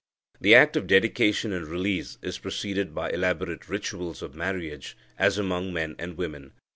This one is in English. The act of dedication and release is preceded by elaborate rituals of marriage, as among men and women.